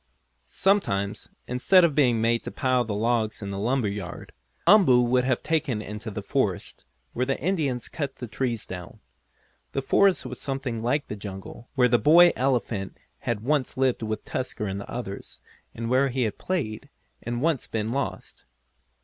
Sometimes, instead of being made to pile the logs in the lumber yard, Umboo would be taken into the forest, where the Indians cut the trees down. The forest was something like the jungle where the boy elephant had once lived with Tusker and the others, and where he had played, and once been lost.